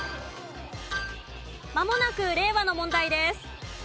まもなく令和の問題です。